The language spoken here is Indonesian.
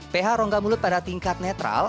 ph rongga mulut pada tingkat netral